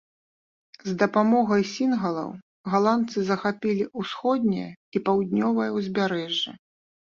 З дапамогай сінгалаў галандцы захапілі ўсходняе і паўднёвае ўзбярэжжы.